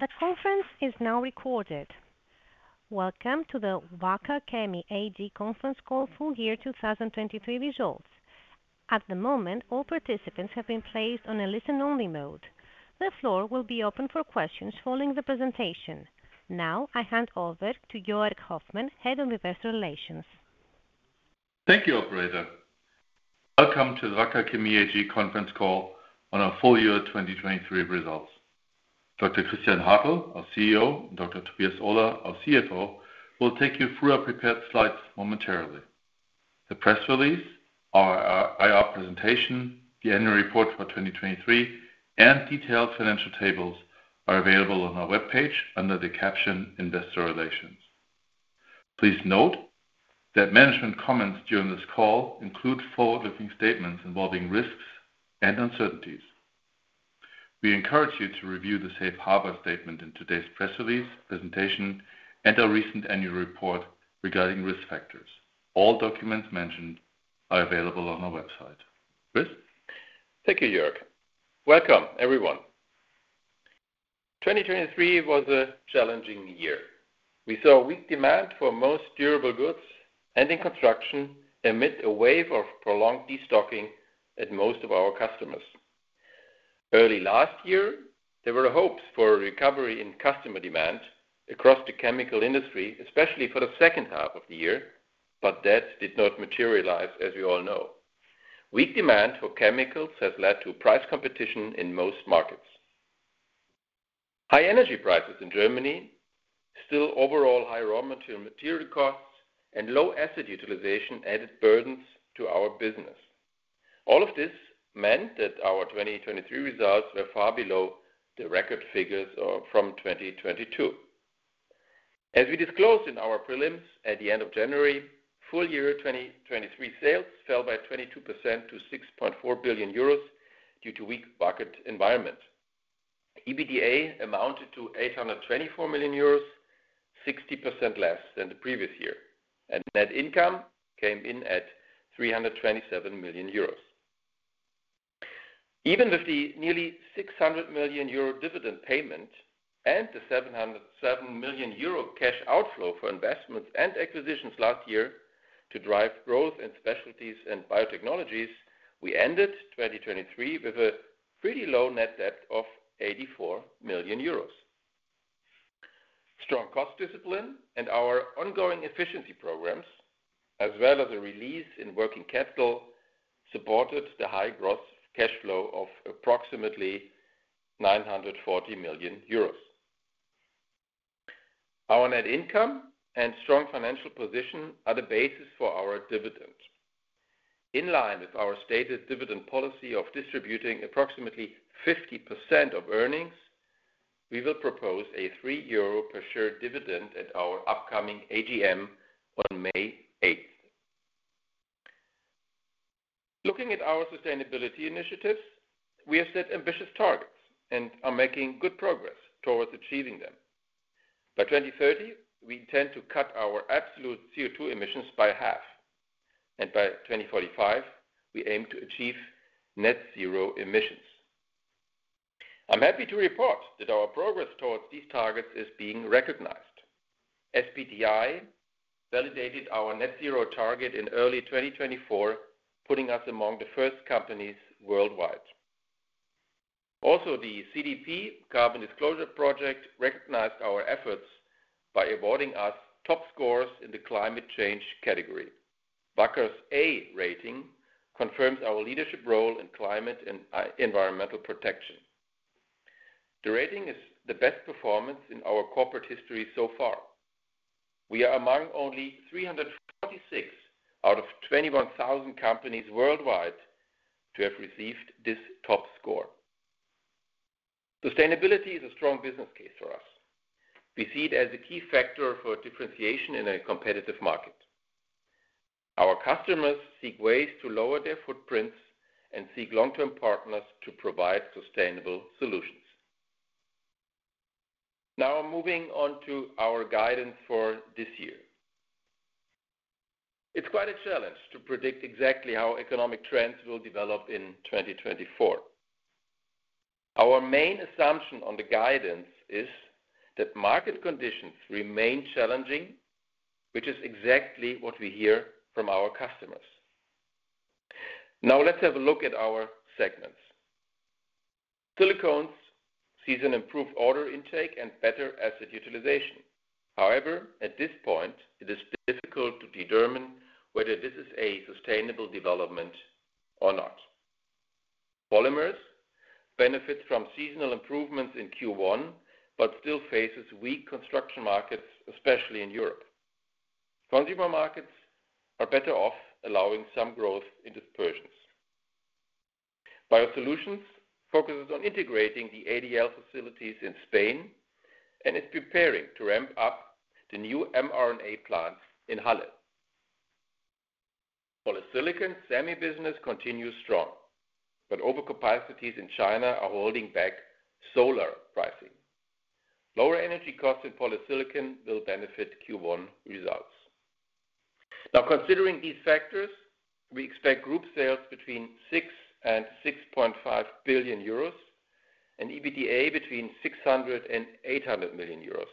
The conference is now recorded. Welcome to the Wacker Chemie AG conference call for year 2023 results. At the moment, all participants have been placed on a listen-only mode. The floor will be open for questions following the presentation. Now I hand over to Joerg Hoffmann, head of investor relations. Thank you, operator. Welcome to the Wacker Chemie AG conference call on our full year 2023 results. Dr. Christian Hartel, our CEO, and Dr. Tobias Ohler, our CFO, will take you through our prepared slides momentarily. The press release, our IR presentation, the annual report for 2023, and detailed financial tables are available on our web page under the caption "Investor Relations." Please note that management comments during this call include forward-looking statements involving risks and uncertainties. We encourage you to review the Safe Harbor statement in today's press release, presentation, and our recent annual report regarding risk factors. All documents mentioned are available on our website. Chris? Thank you, Joerg. Welcome, everyone. 2023 was a challenging year. We saw weak demand for most durable goods and in construction emitted a wave of prolonged destocking at most of our customers. Early last year, there were hopes for recovery in customer demand across the chemical industry, especially for the second half of the year, but that did not materialize, as we all know. Weak demand for chemicals has led to price competition in most markets. High energy prices in Germany, still overall high raw material costs, and low capacity utilization added burdens to our business. All of this meant that our 2023 results were far below the record figures from 2022. As we disclosed in our prelims at the end of January, full year 2023 sales fell by 22% to 6.4 billion euros due to weak market environment. EBITDA amounted to 824 million euros, 60% less than the previous year, and net income came in at 327 million euros. Even with the nearly 600 million euro dividend payment and the 707 million euro cash outflow for investments and acquisitions last year to drive growth in specialties and biotechnologies, we ended 2023 with a pretty low net debt of 84 million euros. Strong cost discipline and our ongoing efficiency programs, as well as a release in working capital, supported the high gross cash flow of approximately 940 million euros. Our net income and strong financial position are the basis for our dividend. In line with our stated dividend policy of distributing approximately 50% of earnings, we will propose a 3 euro per share dividend at our upcoming AGM on May 8th. Looking at our sustainability initiatives, we have set ambitious targets and are making good progress towards achieving them. By 2030, we intend to cut our absolute CO2 emissions by half. By 2045, we aim to achieve net zero emissions. I'm happy to report that our progress towards these targets is being recognized. SBTi validated our net zero target in early 2024, putting us among the first companies worldwide. Also, the CDP Carbon Disclosure Project recognized our efforts by awarding us top scores in the climate change category. Wacker's A rating confirms our leadership role in climate and environmental protection. The rating is the best performance in our corporate history so far. We are among only 346 out of 21,000 companies worldwide to have received this top score. Sustainability is a strong business case for us. We see it as a key factor for differentiation in a competitive market. Our customers seek ways to lower their footprints and seek long-term partners to provide sustainable solutions. Now moving on to our guidance for this year. It's quite a challenge to predict exactly how economic trends will develop in 2024. Our main assumption on the guidance is that market conditions remain challenging, which is exactly what we hear from our customers. Now let's have a look at our segments. Silicones sees an improved order intake and better asset utilization. However, at this point, it is difficult to determine whether this is a sustainable development or not. Polymers benefit from seasonal improvements in Q1 but still face weak construction markets, especially in Europe. Consumer markets are better off allowing some growth in dispersions. Biosolutions focuses on integrating the ADL facilities in Spain and is preparing to ramp up the new mRNA plant in Halle. Polysilicon semi-business continues strong, but overcapacities in China are holding back solar pricing. Lower energy costs in polysilicon will benefit Q1 results. Now, considering these factors, we expect group sales between 6 billion and 6.5 billion euros and EBITDA between 600 million euros and 800 million euros.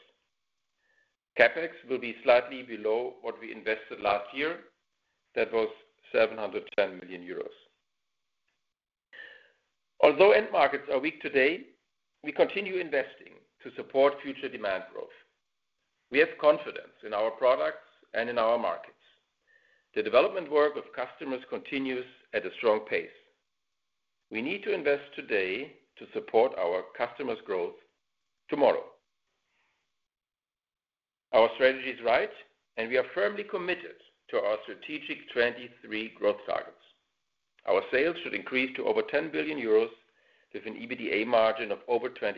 CapEx will be slightly below what we invested last year. That was 710 million euros. Although end markets are weak today, we continue investing to support future demand growth. We have confidence in our products and in our markets. The development work of customers continues at a strong pace. We need to invest today to support our customers' growth tomorrow. Our strategy is right, and we are firmly committed to our strategic 2023 growth targets. Our sales should increase to over 10 billion euros with an EBITDA margin of over 20%.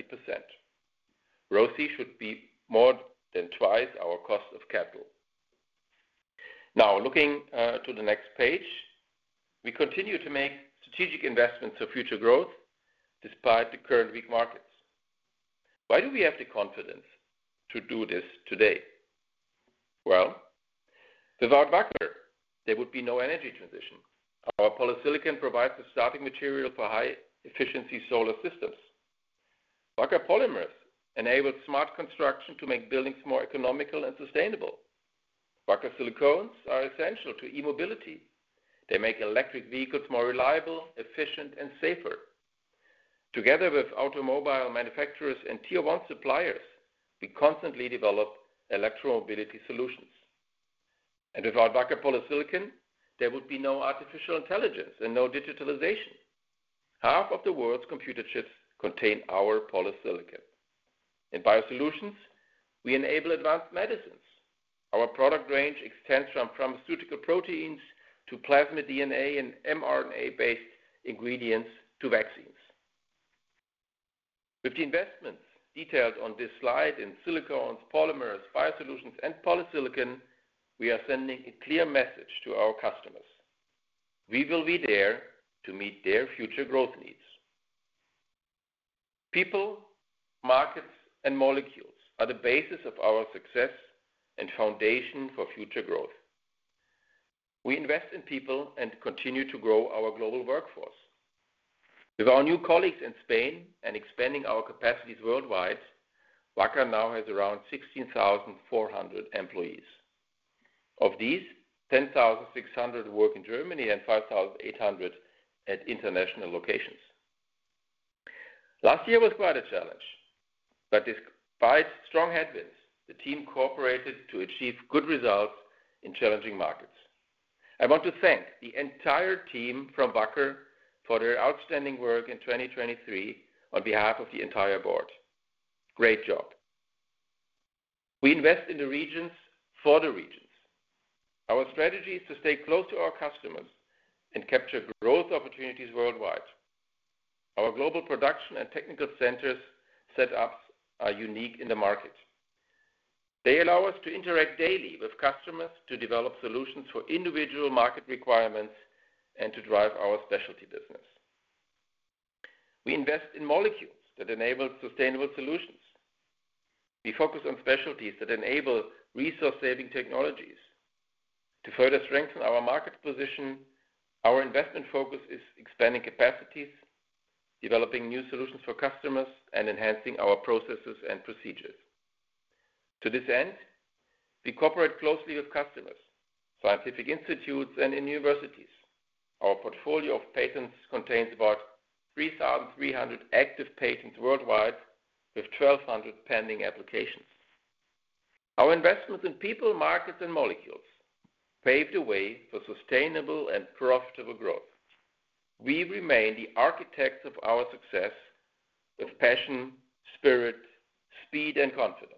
ROCE should be more than twice our cost of capital. Now, looking to the next page, we continue to make strategic investments for future growth despite the current weak markets. Why do we have the confidence to do this today? Well, without Wacker, there would be no energy transition. Our polysilicon provides the starting material for high-efficiency solar systems. Wacker Polymers enable smart construction to make buildings more economical and sustainable. Wacker silicones are essential to e-mobility. They make electric vehicles more reliable, efficient, and safer. Together with automobile manufacturers and tier-one suppliers, we constantly develop electromobility solutions. And without Wacker polysilicon, there would be no artificial intelligence and no digitalization. Half of the world's computer chips contain our polysilicon. In Biosolutions, we enable advanced medicines. Our product range extends from pharmaceutical proteins to plasmid DNA and mRNA-based ingredients to vaccines. With the investments detailed on this slide in silicones, Polymers, Biosolutions, and polysilicon, we are sending a clear message to our customers. We will be there to meet their future growth needs. People, markets, and molecules are the basis of our success and foundation for future growth. We invest in people and continue to grow our global workforce. With our new colleagues in Spain and expanding our capacities worldwide, Wacker now has around 16,400 employees. Of these, 10,600 work in Germany and 5,800 at international locations. Last year was quite a challenge. But despite strong headwinds, the team cooperated to achieve good results in challenging markets. I want to thank the entire team from Wacker for their outstanding work in 2023 on behalf of the entire board. Great job. We invest in the regions for the regions. Our strategy is to stay close to our customers and capture growth opportunities worldwide. Our global production and technical centers setups are unique in the market. They allow us to interact daily with customers to develop solutions for individual market requirements and to drive our specialty business. We invest in molecules that enable sustainable solutions. We focus on specialties that enable resource-saving technologies. To further strengthen our market position, our investment focus is expanding capacities, developing new solutions for customers, and enhancing our processes and procedures. To this end, we cooperate closely with customers, scientific institutes, and universities. Our portfolio of patents contains about 3,300 active patents worldwide with 1,200 pending applications. Our investments in people, markets, and molecules paved the way for sustainable and profitable growth. We remain the architects of our success with passion, spirit, speed, and confidence.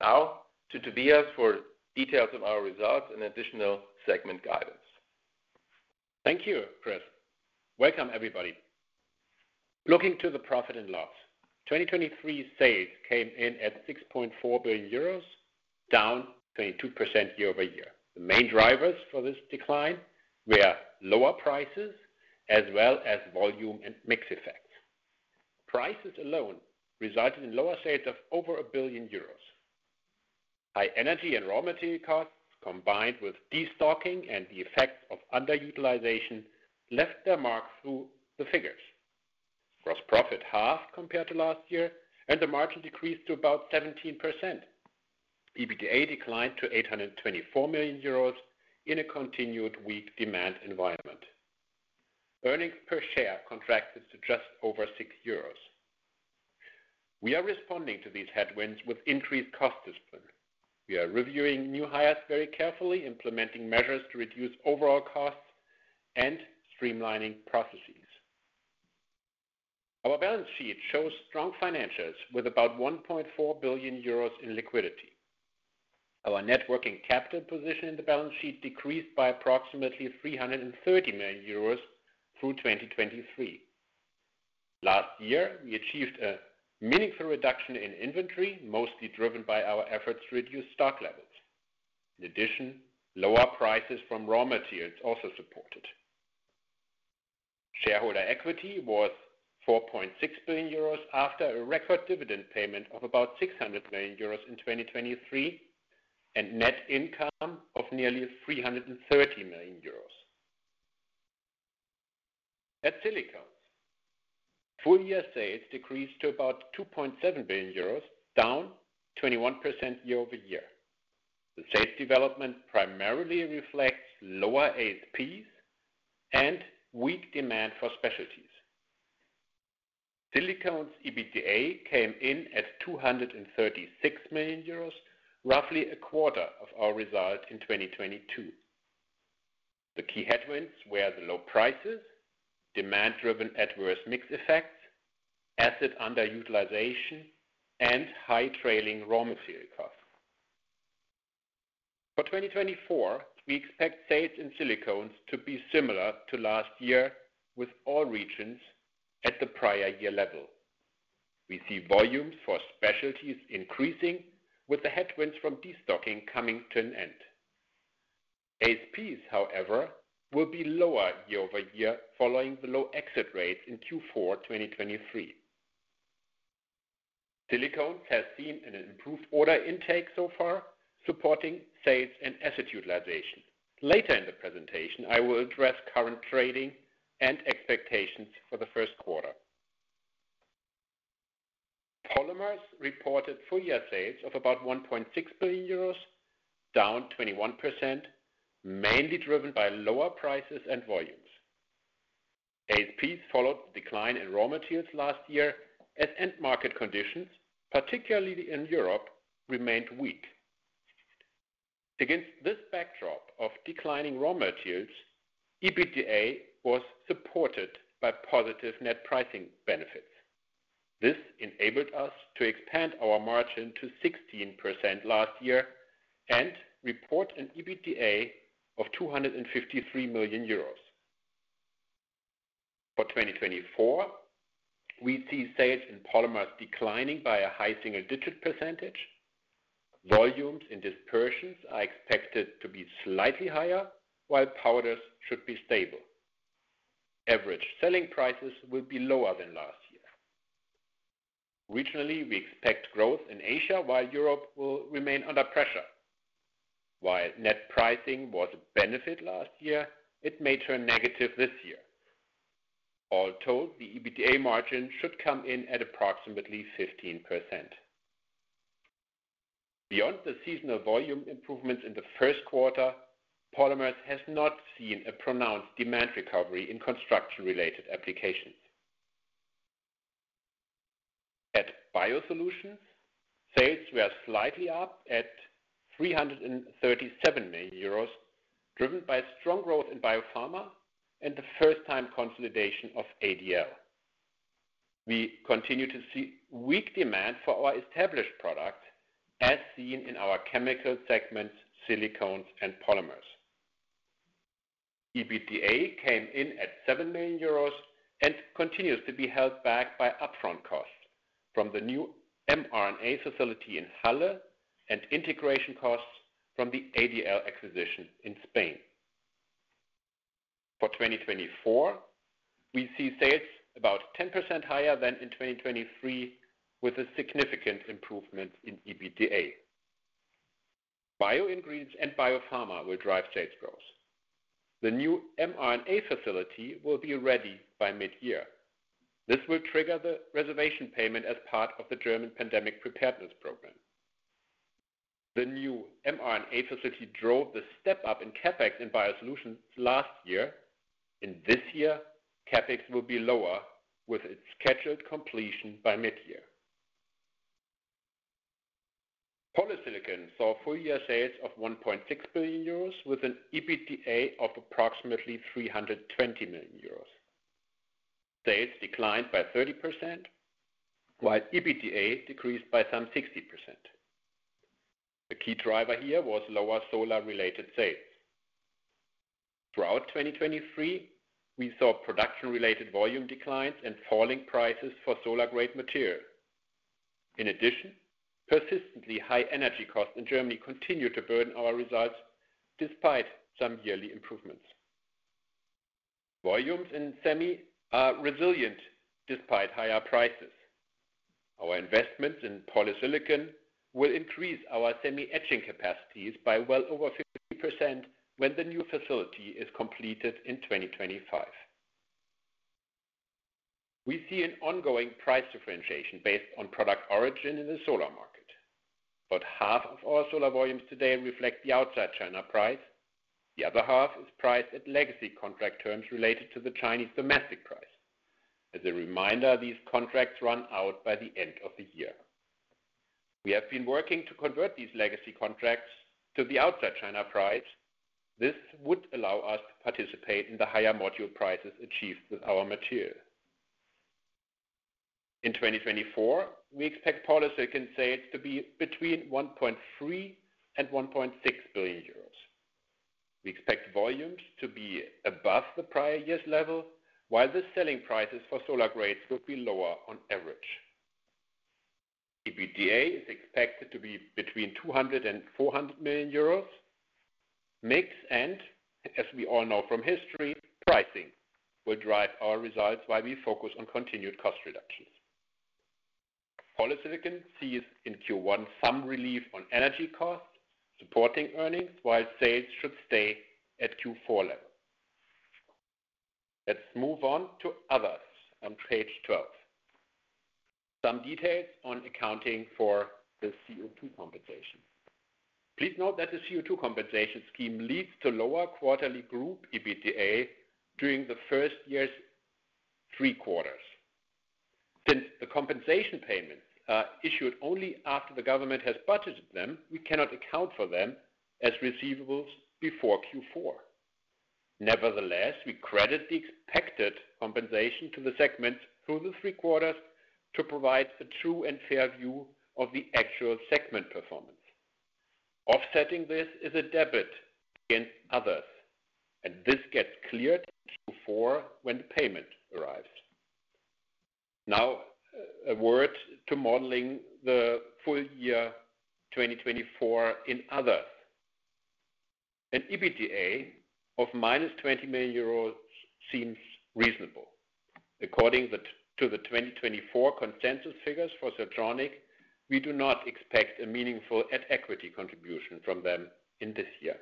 Now to Tobias for details of our results and additional segment guidance. Thank you, Chris. Welcome, everybody. Looking to the profit and loss, 2023 sales came in at 6.4 billion euros, down 22% year-over-year. The main drivers for this decline were lower prices as well as volume and mix effects. Prices alone resulted in lower sales of over 1 billion euros. High energy and raw material costs combined with destocking and the effects of underutilization left their mark through the figures. Gross profit halved compared to last year, and the margin decreased to about 17%. EBITDA declined to 824 million euros in a continued weak demand environment. Earnings per share contracted to just over 6 euros. We are responding to these headwinds with increased cost discipline. We are reviewing new hires very carefully, implementing measures to reduce overall costs, and streamlining processes. Our balance sheet shows strong financials with about 1.4 billion euros in liquidity. Our net working capital position in the balance sheet decreased by approximately 330 million euros through 2023. Last year, we achieved a meaningful reduction in inventory, mostly driven by our efforts to reduce stock levels. In addition, lower prices from raw materials also supported. Shareholder equity was 4.6 billion euros after a record dividend payment of about 600 million euros in 2023 and net income of nearly 330 million euros. At silicones, full year sales decreased to about 2.7 billion euros, down 21% year-over-year. The sales development primarily reflects lower ASPs and weak demand for specialties. Silicones EBITDA came in at 236 million euros, roughly a quarter of our result in 2022. The key headwinds were the low prices, demand-driven adverse mix effects, asset underutilization, and high trailing raw material costs. For 2024, we expect sales in silicones to be similar to last year with all regions at the prior year level. We see volumes for specialties increasing, with the headwinds from destocking coming to an end. ASPs, however, will be lower year-over-year following the low exit rates in Q4 2023. Silicones has seen an improved order intake so far, supporting sales and asset utilization. Later in the presentation, I will address current trading and expectations for the first quarter. Polymers reported full year sales of about 1.6 billion euros, down 21%, mainly driven by lower prices and volumes. ASPs followed the decline in raw materials last year as end market conditions, particularly in Europe, remained weak. Against this backdrop of declining raw materials, EBITDA was supported by positive net pricing benefits. This enabled us to expand our margin to 16% last year and report an EBITDA of 253 million euros. For 2024, we see sales in Polymers declining by a high single-digit %. Volumes in dispersions are expected to be slightly higher, while powders should be stable. Average selling prices will be lower than last year. Regionally, we expect growth in Asia, while Europe will remain under pressure. While net pricing was a benefit last year, it may turn negative this year. All told, the EBITDA margin should come in at approximately 15%. Beyond the seasonal volume improvements in the first quarter, Polymers has not seen a pronounced demand recovery in construction-related applications. At Biosolutions, sales were slightly up at 337 million euros, driven by strong growth in biopharma and the first-time consolidation of ADL. We continue to see weak demand for our established products, as seen in our chemical segments, silicones, and Polymers. EBITDA came in at 7 million euros and continues to be held back by upfront costs from the new mRNA facility in Halle and integration costs from the ADL acquisition in Spain. For 2024, we see sales about 10% higher than in 2023, with a significant improvement in EBITDA. Bioingredients and biopharma will drive sales growth. The new mRNA facility will be ready by mid-year. This will trigger the reservation payment as part of the German pandemic preparedness program. The new mRNA facility drove the step-up in CapEx in Biosolutions last year. In this year, CapEx will be lower, with its scheduled completion by mid-year. Polysilicon saw full year sales of 1.6 billion euros, with an EBITDA of approximately 320 million euros. Sales declined by 30%, while EBITDA decreased by some 60%. The key driver here was lower solar-related sales. Throughout 2023, we saw production-related volume declines and falling prices for solar-grade material. In addition, persistently high energy costs in Germany continue to burden our results despite some yearly improvements. Volumes in semi are resilient despite higher prices. Our investments in polysilicon will increase our semiconductor capacities by well over 50% when the new facility is completed in 2025. We see an ongoing price differentiation based on product origin in the solar market. About half of our solar volumes today reflect the outside China price. The other half is priced at legacy contract terms related to the Chinese domestic price. As a reminder, these contracts run out by the end of the year. We have been working to convert these legacy contracts to the outside China price. This would allow us to participate in the higher module prices achieved with our material. In 2024, we expect polysilicon sales to be between 1.3 billion and 1.6 billion euros. We expect volumes to be above the prior year's level, while the selling prices for solar grades will be lower on average. EBITDA is expected to be between 200 million euros and 400 million euros. Mix and, as we all know from history, pricing will drive our results while we focus on continued cost reductions. Polysilicon sees in Q1 some relief on energy costs, supporting earnings, while sales should stay at Q4 level. Let's move on to others on page 12. Some details on accounting for the CO2 compensation. Please note that the CO2 compensation scheme leads to lower quarterly group EBITDA during the first year's three quarters. Since the compensation payments are issued only after the government has budgeted them, we cannot account for them as receivables before Q4. Nevertheless, we credit the expected compensation to the segments through the three quarters to provide a true and fair view of the actual segment performance. Offsetting this is a debit against others, and this gets cleared in Q4 when the payment arrives. Now, a word to modeling the full year 2024 in others. An EBITDA of -20 million euros seems reasonable. According to the 2024 consensus figures for Siltronic, we do not expect a meaningful at equity contribution from them in this year.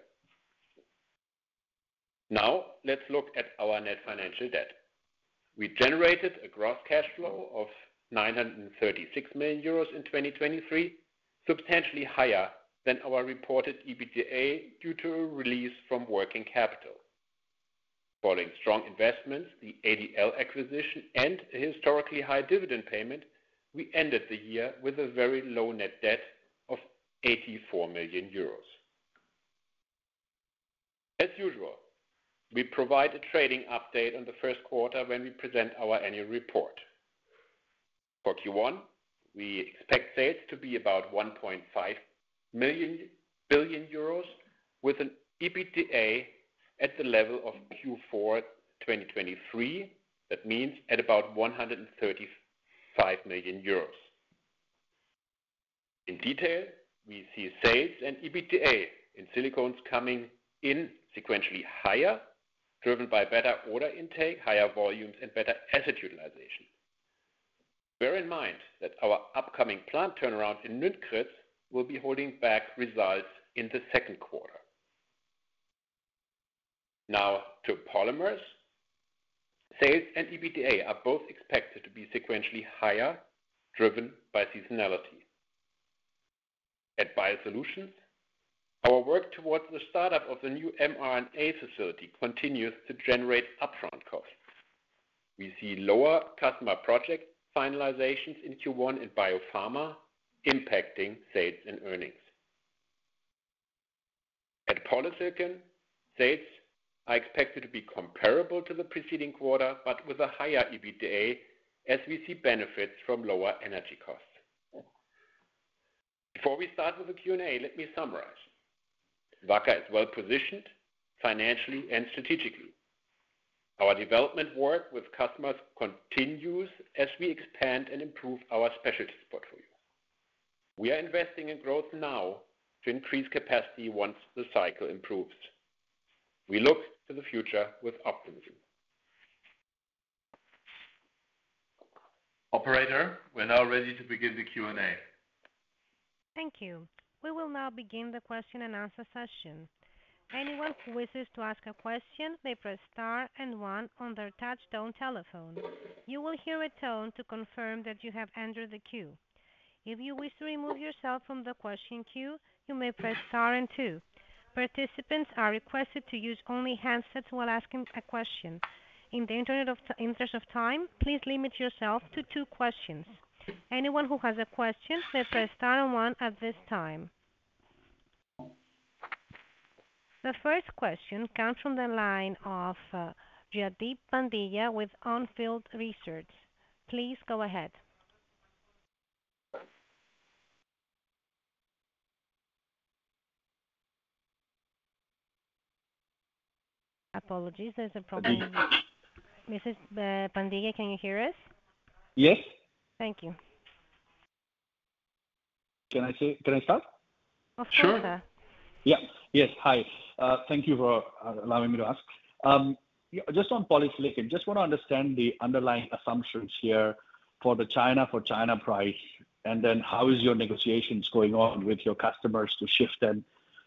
Now, let's look at our net financial debt. We generated a gross cash flow of 936 million euros in 2023, substantially higher than our reported EBITDA due to a release from working capital. Following strong investments, the ADL acquisition, and a historically high dividend payment, we ended the year with a very low net debt of 84 million euros. As usual, we provide a trading update on the first quarter when we present our annual report. For Q1, we expect sales to be about 1.5 billion euros, with an EBITDA at the level of Q4 2023. That means at about 135 million euros. In detail, we see sales and EBITDA in silicones coming in sequentially higher, driven by better order intake, higher volumes, and better asset utilization. Bear in mind that our upcoming plant turnaround in Nünchritz will be holding back results in the second quarter. Now to Polymers. Sales and EBITDA are both expected to be sequentially higher, driven by seasonality. At Biosolutions, our work towards the startup of the new mRNA facility continues to generate upfront costs. We see lower customer project finalizations in Q1 in biopharma, impacting sales and earnings. At polysilicon, sales are expected to be comparable to the preceding quarter, but with a higher EBITDA as we see benefits from lower energy costs. Before we start with the Q&A, let me summarize. Wacker is well positioned financially and strategically. Our development work with customers continues as we expand and improve our specialties portfolio. We are investing in growth now to increase capacity once the cycle improves. We look to the future with optimism. Operator, we're now ready to begin the Q&A. Thank you. We will now begin the question-and-answer session. Anyone who wishes to ask a question may press star and one on their touch-tone telephone. You will hear a tone to confirm that you have entered the queue. If you wish to remove yourself from the question queue, you may press star and two. Participants are requested to use only handsets while asking a question. In the interest of time, please limit yourself to two questions. Anyone who has a question may press star and one at this time. The first question comes from the line of Jaideep Pandya with On Field Investment Research. Please go ahead. Apologies, there's a problem. Mr. Pandya, can you hear us? Yes. Thank you. Can I say can I start? Of course. Sure. Yeah. Yes. Hi. Thank you for allowing me to ask. Just on polysilicon, just want to understand the underlying assumptions here for the China price, and then how is your negotiations going on with your customers to shift them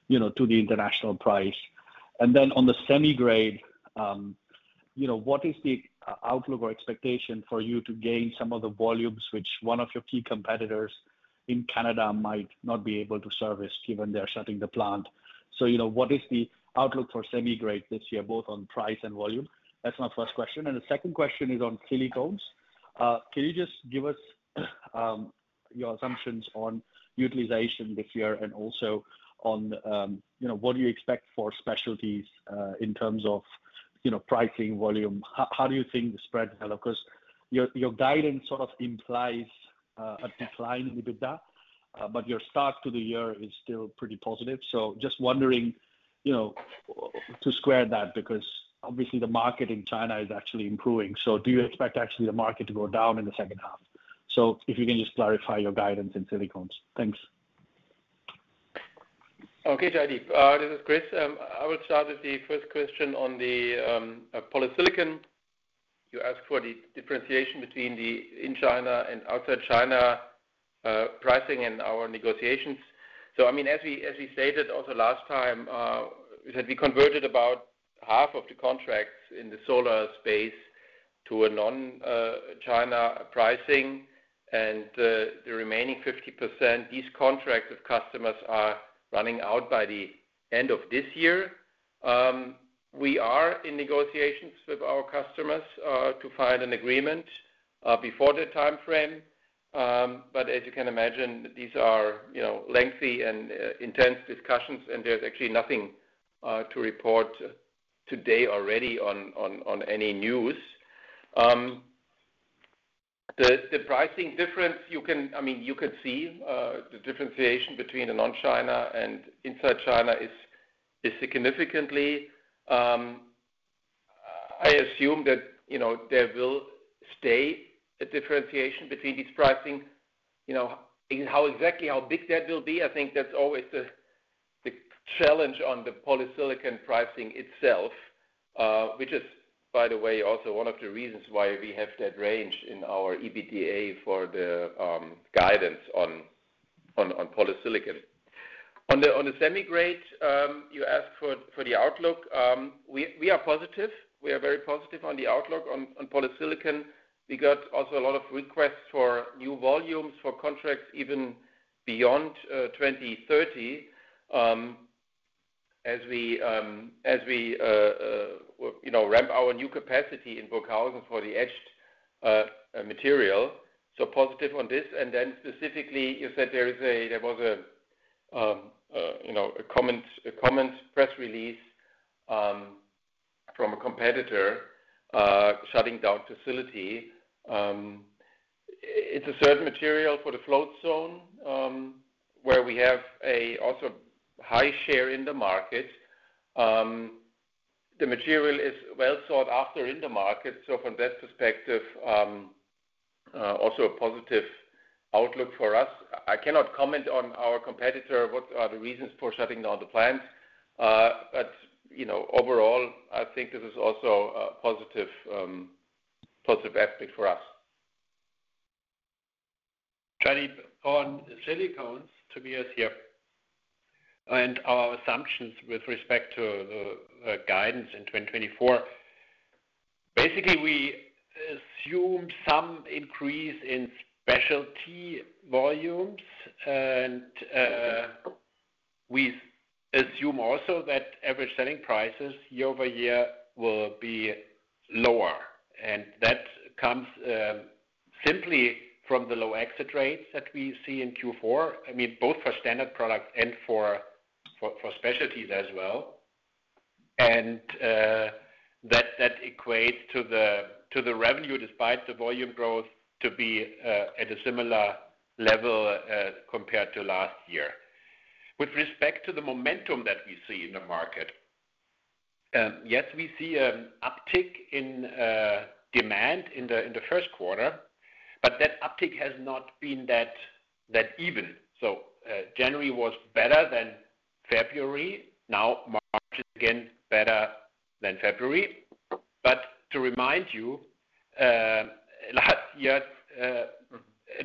to the international price. On the semi-grade, what is the outlook or expectation for you to gain some of the volumes, which one of your key competitors in Canada might not be able to service given they're shutting the plant? So what is the outlook for semi-grade this year, both on price and volume? That's my first question. And the second question is on silicones. Can you just give us your assumptions on utilization this year and also on what do you expect for specialties in terms of pricing, volume? How do you think the spreads will look? Because your guidance sort of implies a decline in EBITDA, but your start to the year is still pretty positive. So just wondering to square that because obviously, the market in China is actually improving. So do you expect actually the market to go down in the second half? So if you can just clarify your guidance in silicones. Thanks. Okay, Jaideep. This is Chris. I will start with the first question on the polysilicon. You asked for the differentiation between the in-China and outside China pricing in our negotiations. So I mean, as we stated also last time, we said we converted about half of the contracts in the solar space to a non-China pricing, and the remaining 50%, these contracts with customers are running out by the end of this year. We are in negotiations with our customers to find an agreement before the time frame. But as you can imagine, these are lengthy and intense discussions, and there's actually nothing to report today already on any news. The pricing difference, I mean, you could see the differentiation between the non-China and inside China is significantly. I assume that there will stay a differentiation between these pricing. How exactly how big that will be, I think that's always the challenge on the polysilicon pricing itself, which is, by the way, also one of the reasons why we have that range in our EBITDA for the guidance on polysilicon. On the semi-grade, you asked for the outlook. We are positive. We are very positive on the outlook on polysilicon. We got also a lot of requests for new volumes for contracts even beyond 2030 as we ramp our new capacity in Burghausen for the etched material. So positive on this. And then specifically, you said there was a comment press release from a competitor shutting down facility. It's a certain material for the float zone where we have also a high share in the market. The material is well sought after in the market. So from that perspective, also a positive outlook for us. I cannot comment on our competitor, what are the reasons for shutting down the plant. But overall, I think this is also a positive aspect for us. Jaideep, on silicones, Tobias here. Our assumptions with respect to the guidance in 2024, basically, we assumed some increase in specialty volumes. We assume also that average selling prices year-over-year will be lower. That comes simply from the low exit rates that we see in Q4, I mean, both for standard products and for specialties as well. That equates to the revenue despite the volume growth to be at a similar level compared to last year. With respect to the momentum that we see in the market, yes, we see an uptick in demand in the first quarter, but that uptick has not been that even. So January was better than February. Now, March is again better than February. But to remind you, last year,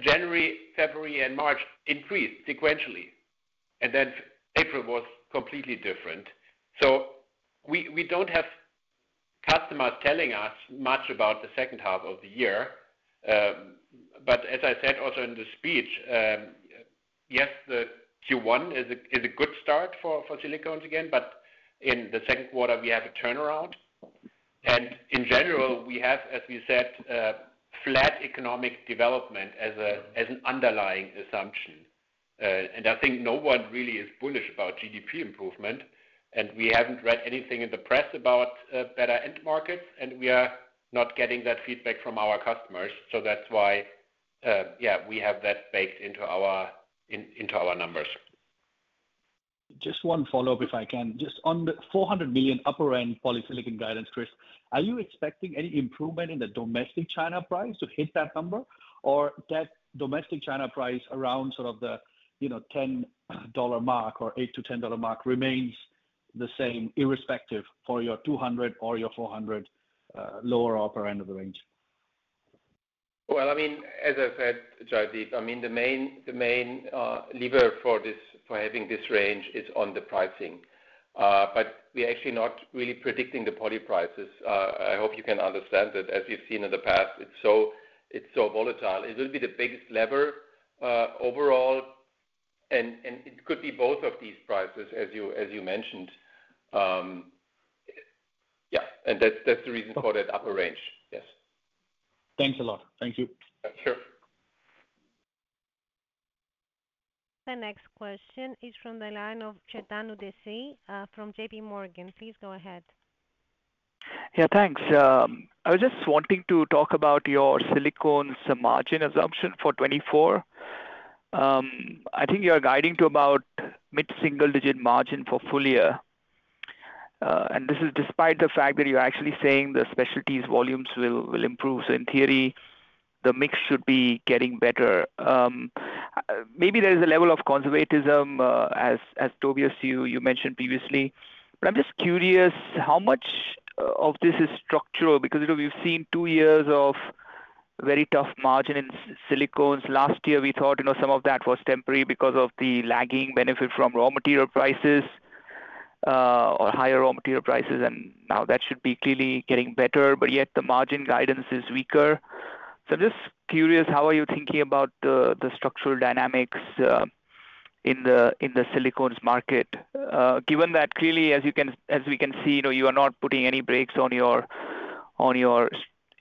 January, February, and March increased sequentially. And then April was completely different. So we don't have customers telling us much about the second half of the year. But as I said also in the speech, yes, the Q1 is a good start for silicones again, but in the second quarter, we have a turnaround. And in general, we have, as we said, flat economic development as an underlying assumption. And I think no one really is bullish about GDP improvement. And we haven't read anything in the press about better end markets, and we are not getting that feedback from our customers. So that's why, yeah, we have that baked into our numbers. Just one follow-up if I can. Just on the 400 million upper-end polysilicon guidance, Chris, are you expecting any improvement in the domestic China price to hit that number, or that domestic China price around sort of the $10 mark or $8-$10 mark remains the same irrespective for your 200 million or your 400 million lower upper end of the range? Well, I mean, as I said, Jaideep, I mean, the main lever for having this range is on the pricing. But we're actually not really predicting the poly prices. I hope you can understand that as we've seen in the past, it's so volatile. It will be the biggest lever overall, and it could be both of these prices, as you mentioned. Yeah. And that's the reason for that upper range. Yes. Thanks a lot. Thank you. Sure. The next question is from the line of Chetan Udeshi from JPMorgan. Please go ahead. Yeah, thanks. I was just wanting to talk about your silicone margin assumption for 2024. I think you are guiding to about mid-single-digit margin for full year. This is despite the fact that you're actually saying the specialties volumes will improve. In theory, the mix should be getting better. Maybe there is a level of conservatism, as Tobias, you mentioned previously. I'm just curious how much of this is structural because we've seen two years of very tough margin in silicones. Last year, we thought some of that was temporary because of the lagging benefit from raw material prices or higher raw material prices. Now that should be clearly getting better, but yet the margin guidance is weaker. I'm just curious, how are you thinking about the structural dynamics in the silicones market? Given that clearly, as we can see, you are not putting any brakes on your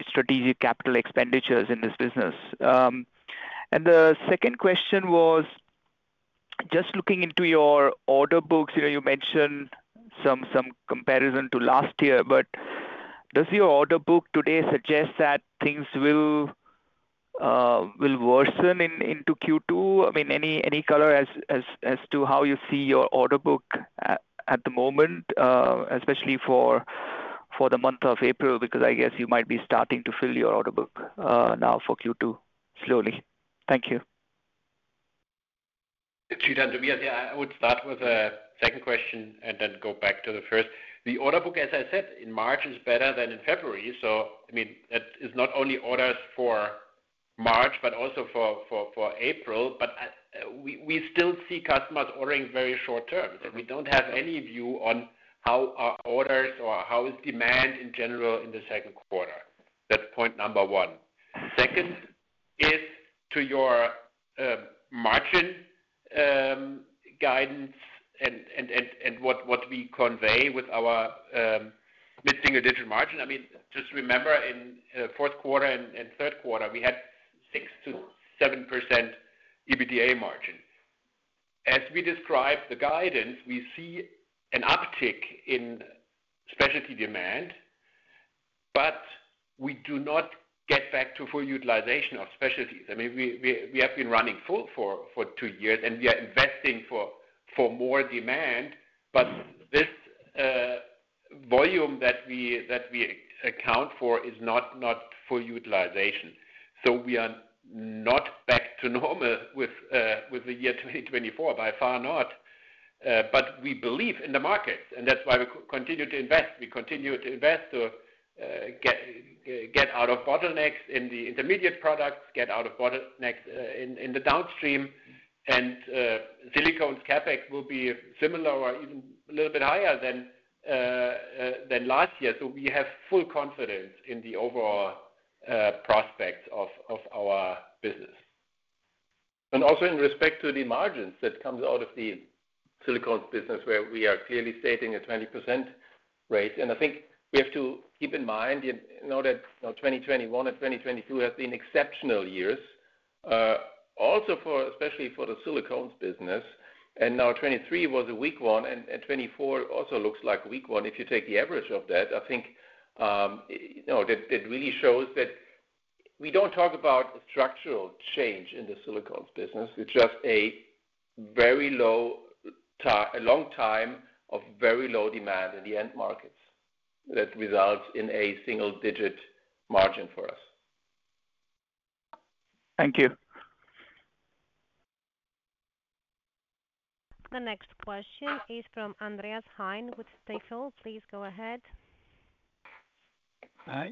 strategic capital expenditures in this business. The second question was just looking into your order books. You mentioned some comparison to last year, but does your order book today suggest that things will worsen into Q2? I mean, any color as to how you see your order book at the moment, especially for the month of April, because I guess you might be starting to fill your order book now for Q2 slowly. Thank you. Chetan, yeah, I would start with a second question and then go back to the first. The order book, as I said, in March is better than in February. I mean, that is not only orders for March but also for April. But we still see customers ordering very short-term. So we don't have any view on how our orders or how is demand in general in the second quarter. That's point number one. Second is to your margin guidance and what we convey with our mid-single-digit margin. I mean, just remember in fourth quarter and third quarter, we had 6%-7% EBITDA margin. As we describe the guidance, we see an uptick in specialty demand, but we do not get back to full utilization of specialties. I mean, we have been running full for two years, and we are investing for more demand, but this volume that we account for is not full utilization. So we are not back to normal with the year 2024, by far not. But we believe in the markets, and that's why we continue to invest. We continue to invest to get out of bottlenecks in the intermediate products, get out of bottlenecks in the downstream. And silicones CapEx will be similar or even a little bit higher than last year. So we have full confidence in the overall prospects of our business. And also in respect to the margins that comes out of the silicones business where we are clearly stating a 20% rate. And I think we have to keep in mind that 2021 and 2022 have been exceptional years, especially for the silicones business. And now 2023 was a weak one, and 2024 also looks like a weak one. If you take the average of that, I think that really shows that we don't talk about structural change in the silicones business. It's just a very low, a long time of very low demand in the end markets that results in a single-digit margin for us. Thank you. The next question is from Andreas Heine with Stifel. Please go ahead. Hi.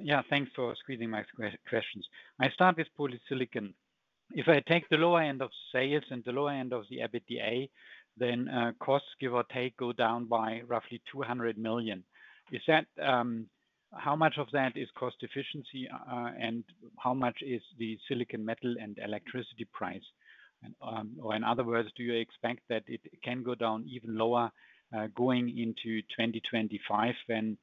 Yeah, thanks for squeezing my questions. I start with polysilicon. If I take the lower end of sales and the lower end of the EBITDA, then costs, give or take, go down by roughly 200 million. How much of that is cost efficiency, and how much is the silicon metal and electricity price? Or in other words, do you expect that it can go down even lower going into 2025 when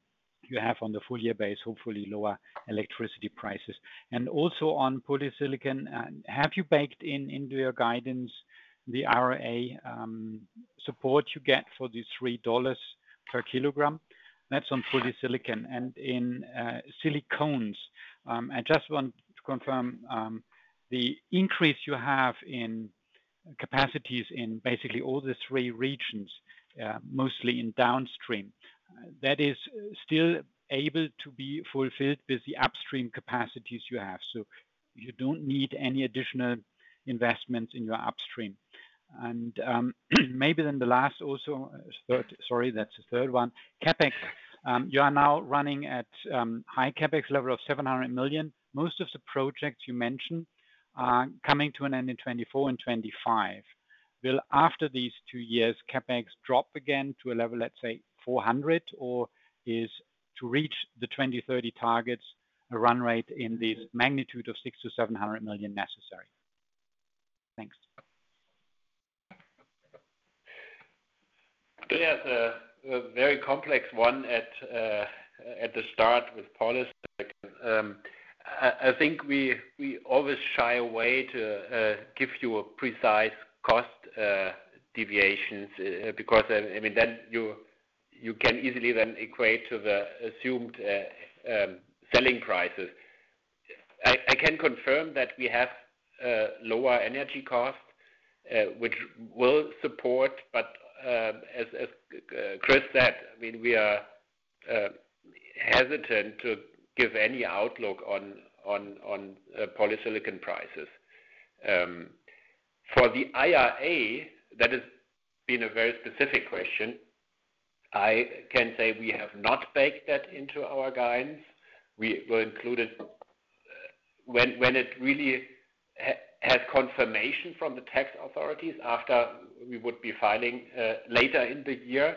you have on the full-year base, hopefully, lower electricity prices? And also on polysilicon, have you baked into your guidance the IRA support you get for the $3 per kilogram? That's on polysilicon. And in silicones, I just want to confirm the increase you have in capacities in basically all the three regions, mostly in downstream, that is still able to be fulfilled with the upstream capacities you have. So you don't need any additional investments in your upstream. And maybe then the last also sorry, that's the third one. CapEx, you are now running at a high CapEx level of 700 million. Most of the projects you mentioned are coming to an end in 2024 and 2025. Will after these two years, CapEx drop again to a level, let's say, 400 million, or is to reach the 2030 targets, a run rate in this magnitude of 600 million-700 million necessary? Thanks. Tobias, a very complex one at the start with policy. I think we always shy away to give you precise cost deviations because, I mean, then you can easily then equate to the assumed selling prices. I can confirm that we have lower energy costs, which will support, but as Chris said, I mean, we are hesitant to give any outlook on polysilicon prices. For the IRA, that has been a very specific question. I can say we have not baked that into our guidance. We will include it when it really has confirmation from the tax authorities after we would be filing later in the year.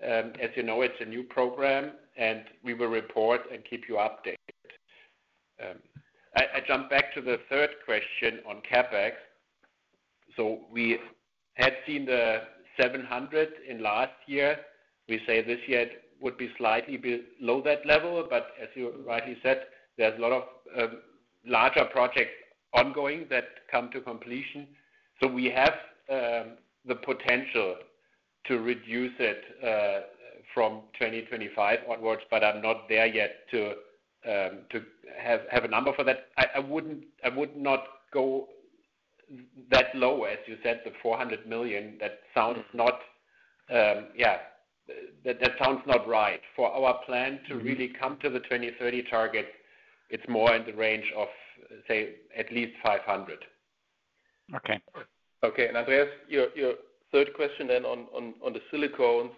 As you know, it's a new program, and we will report and keep you updated. I jump back to the third question on CapEx. So we had seen the 700 million in last year. We say this year it would be slightly below that level. But as you rightly said, there's a lot of larger projects ongoing that come to completion. So we have the potential to reduce it from 2025 onwards, but I'm not there yet to have a number for that. I would not go that low, as you said, the 400 million. That sounds not yeah, that sounds not right. For our plan to really come to the 2030 targets, it's more in the range of, say, at least 500 million. Okay. Okay. Andreas, your third question then on the silicones.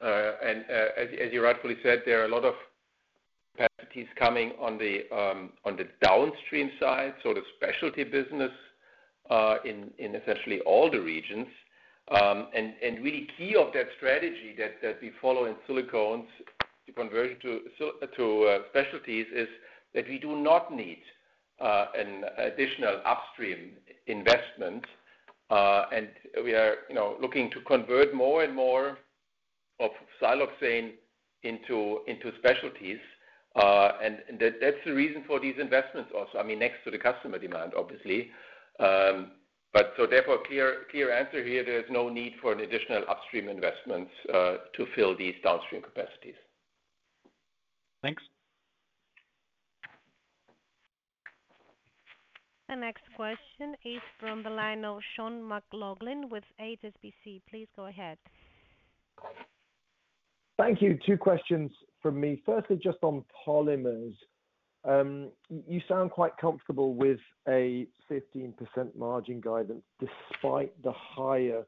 And as you rightfully said, there are a lot of capacities coming on the downstream side, so the specialty business in essentially all the regions. And really key of that strategy that we follow in silicones, the conversion to specialties, is that we do not need an additional upstream investment. We are looking to convert more and more of siloxane into specialties. That's the reason for these investments also, I mean, next to the customer demand, obviously. So therefore, clear answer here, there is no need for an additional upstream investments to fill these downstream capacities. Thanks. The next question is from the line of Sean McLoughlin with HSBC. Please go ahead. Thank you. Two questions from me. Firstly, just on Polymers. You sound quite comfortable with a 15% margin guidance despite the higher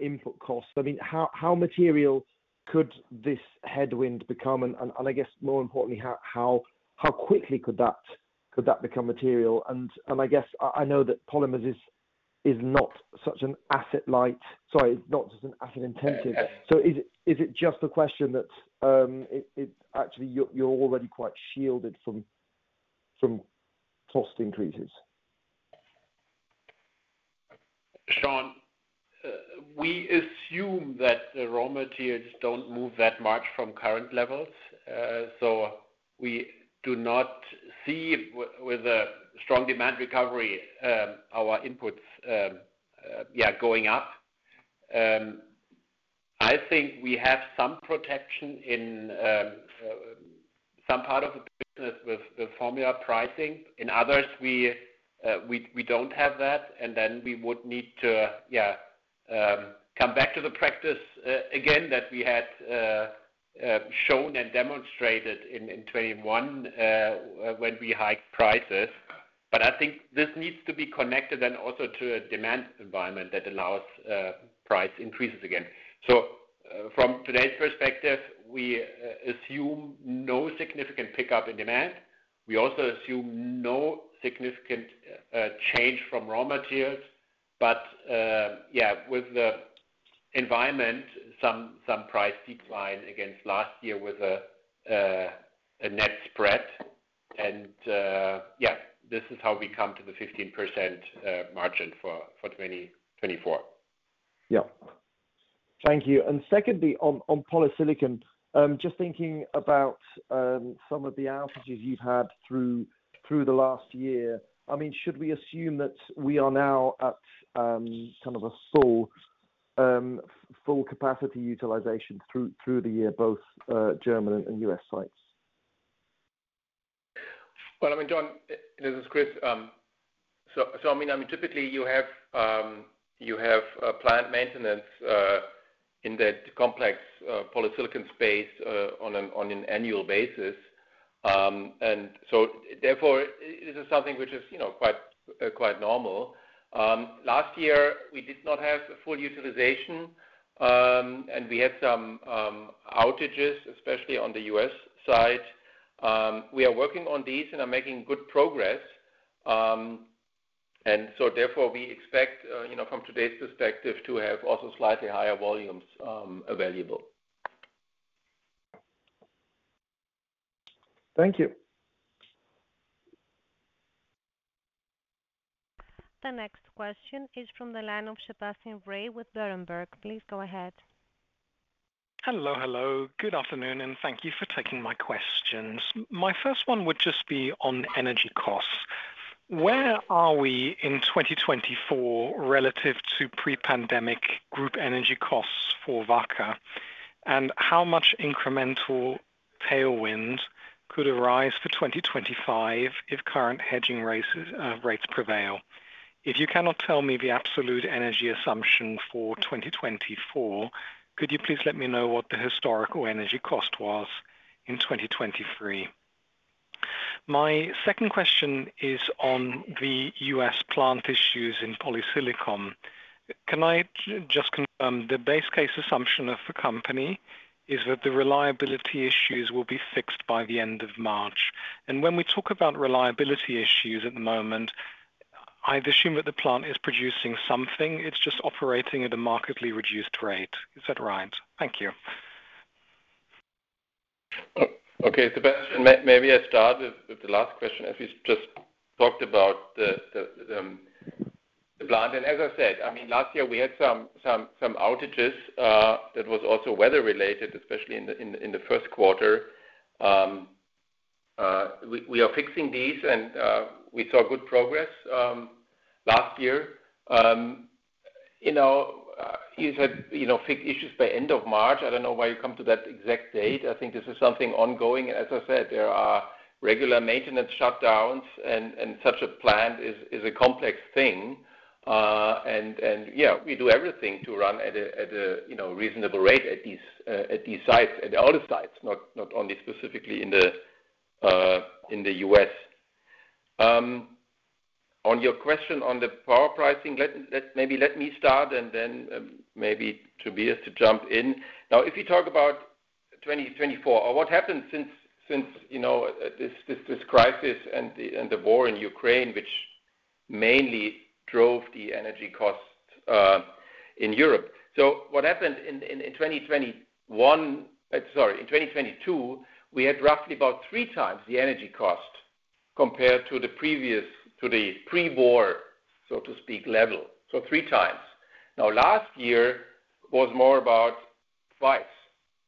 input costs. I mean, how material could this headwind become? And I guess, more importantly, how quickly could that become material? And I guess I know that Polymers is not such an asset-light, sorry, it's not just an asset-intensive. So is it just a question that actually, you're already quite shielded from cost increases? Sean, we assume that raw materials don't move that much from current levels. So we do not see with a strong demand recovery our inputs, yeah, going up. I think we have some protection in some part of the business with formula pricing. In others, we don't have that. And then we would need to, yeah, come back to the practice again that we had shown and demonstrated in 2021 when we hiked prices. But I think this needs to be connected then also to a demand environment that allows price increases again. So from today's perspective, we assume no significant pickup in demand. We also assume no significant change from raw materials. But yeah, with the environment, some price decline against last year with a net spread. And yeah, this is how we come to the 15% margin for 2024. Yeah. Thank you. And secondly, on polysilicon, just thinking about some of the outages you've had through the last year, I mean, should we assume that we are now at kind of a full capacity utilization through the year, both German and U.S. sites? Well, I mean, John, this is Chris. So I mean, typically, you have plant maintenance in that complex polysilicon space on an annual basis. And so therefore, this is something which is quite normal. Last year, we did not have full utilization, and we had some outages, especially on the U.S. side. We are working on these, and I'm making good progress. And so therefore, we expect from today's perspective to have also slightly higher volumes available. Thank you. The next question is from the line of Sebastian Bray with Berenberg. Please go ahead. Hello, hello. Good afternoon, and thank you for taking my questions. My first one would just be on energy costs. Where are we in 2024 relative to pre-pandemic group energy costs for Wacker, and how much incremental tailwind could arise for 2025 if current hedging rates prevail? If you cannot tell me the absolute energy assumption for 2024, could you please let me know what the historical energy cost was in 2023? My second question is on the U.S. plant issues in polysilicon. Can I just confirm the base case assumption of the company is that the reliability issues will be fixed by the end of March? And when we talk about reliability issues at the moment, I'd assume that the plant is producing something. It's just operating at a materially reduced rate. Is that right? Thank you. Okay. Maybe I start with the last question as we just talked about the plant. As I said, I mean, last year, we had some outages. That was also weather-related, especially in the first quarter. We are fixing these, and we saw good progress last year. You said fixed issues by end of March. I don't know why you come to that exact date. I think this is something ongoing. And as I said, there are regular maintenance shutdowns, and such a plant is a complex thing. And yeah, we do everything to run at a reasonable rate at these sites, at all the sites, not only specifically in the U.S. On your question on the power pricing, maybe let me start, and then maybe Tobias to jump in. Now, if we talk about 2024, what happened since this crisis and the war in Ukraine, which mainly drove the energy cost in Europe? So what happened in 2021—sorry, in 2022—we had roughly about three times the energy cost compared to the pre-war level, so to speak, level. So three times. Now, last year was more about twice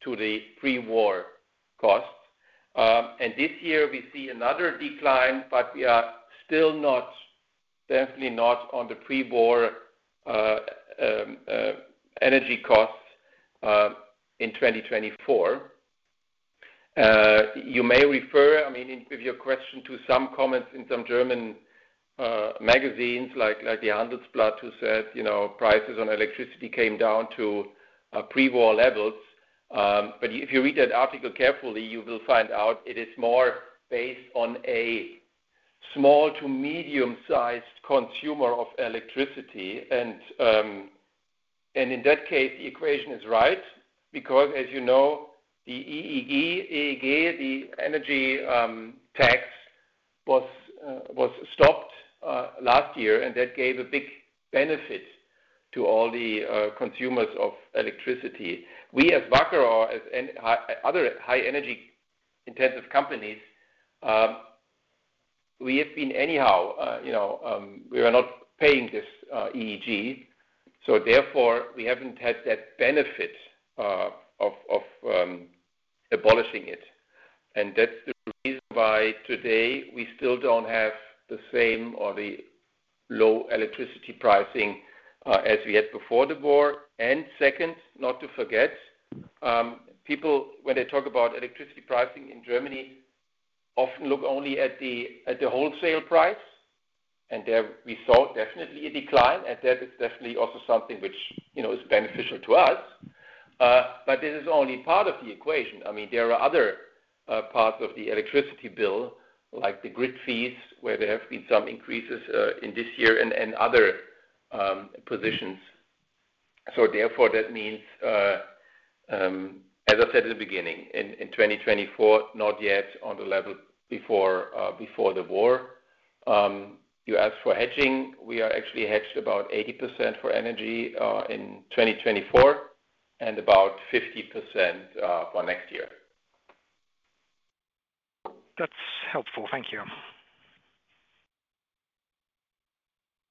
to the pre-war costs. And this year, we see another decline, but we are still not—definitely not—on the pre-war energy costs in 2024. You may refer, I mean, with your question to some comments in some German magazines like the Handelsblatt who said prices on electricity came down to pre-war levels. But if you read that article carefully, you will find out it is more based on a small- to medium-sized consumer of electricity. And in that case, the equation is right because, as you know, the EEG, the energy tax, was stopped last year, and that gave a big benefit to all the consumers of electricity. We, as Wacker or as other high-energy-intensive companies, we have been anyhow we are not paying this EEG. So therefore, we haven't had that benefit of abolishing it. That's the reason why today, we still don't have the same or the low electricity pricing as we had before the war. Second, not to forget, people, when they talk about electricity pricing in Germany, often look only at the wholesale price. And there we saw definitely a decline. And that is definitely also something which is beneficial to us. But this is only part of the equation. I mean, there are other parts of the electricity bill like the grid fees where there have been some increases in this year and other positions. So therefore, that means, as I said at the beginning, in 2024, not yet on the level before the war. You asked for hedging. We are actually hedged about 80% for energy in 2024 and about 50% for next year. That's helpful. Thank you.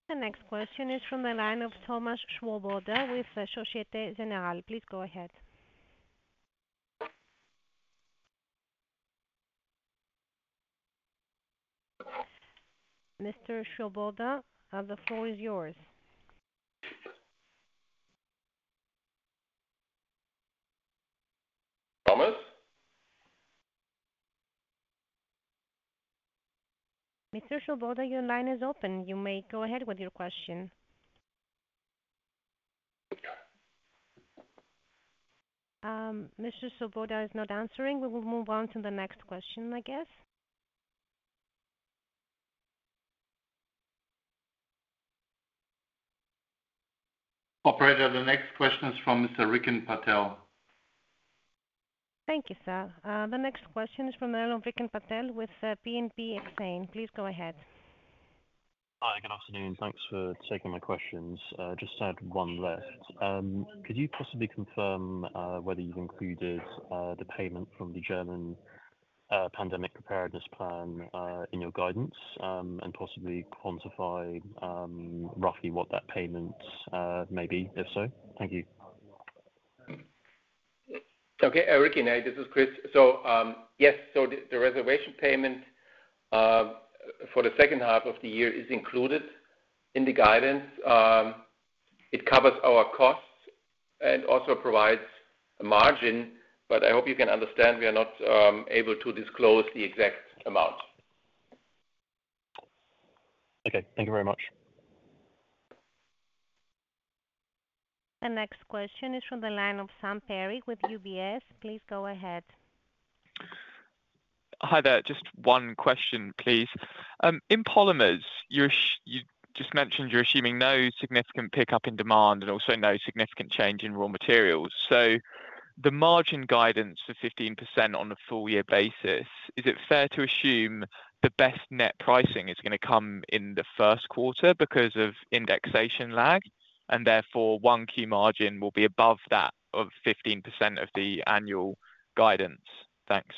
The next question is from the line of Thomas Swoboda with Societe Generale. Please go ahead. Mr. Swoboda, the floor is yours. Thomas? Mr. Swoboda, your line is open. You may go ahead with your question. Mr. Swoboda is not answering. We will move on to the next question, I guess. Operator, the next question is from Mr. Rikin Patel. Thank you, sir. The next question is from Rikin Patel with BNP Exane. Please go ahead. Hi. Good afternoon. Thanks for taking my questions. Just had one left. Could you possibly confirm whether you've included the payment from the German pandemic preparedness plan in your guidance and possibly quantify roughly what that payment may be, if so? Thank you. Okay. Rikin, this is Chris. So yes, so the reservation payment for the second half of the year is included in the guidance. It covers our costs and also provides a margin. But I hope you can understand we are not able to disclose the exact amount. Okay. Thank you very much. The next question is from the line of Sam Perry with UBS. Please go ahead. Hi there. Just one question, please. In Polymers, you just mentioned you're assuming no significant pickup in demand and also no significant change in raw materials. So the margin guidance for 15% on a full-year basis, is it fair to assume the best net pricing is going to come in the first quarter because of indexation lag, and therefore, Q1 margin will be above that of 15% of the annual guidance? Thanks.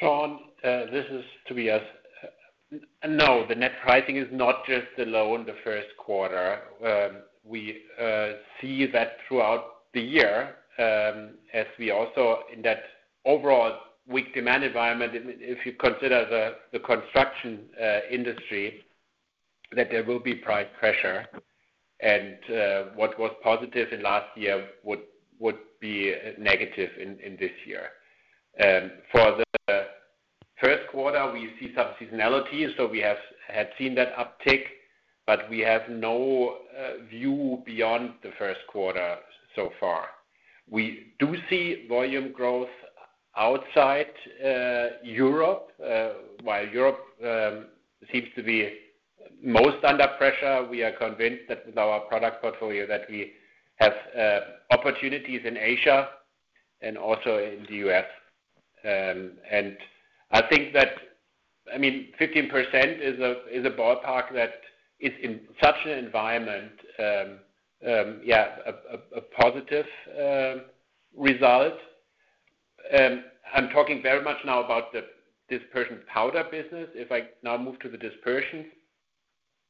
Sam, this is Tobias. No, the net pricing is not just alone the first quarter. We see that throughout the year as we also in that overall weak demand environment, if you consider the construction industry, that there will be price pressure. And what was positive in last year would be negative in this year. For the first quarter, we see some seasonality. So we had seen that uptick, but we have no view beyond the first quarter so far. We do see volume growth outside Europe. While Europe seems to be most under pressure, we are convinced that with our product portfolio, that we have opportunities in Asia and also in the U.S.. And I think that I mean, 15% is a ballpark that is in such an environment, yeah, a positive result. I'm talking very much now about the dispersion powder business. If I now move to the dispersions,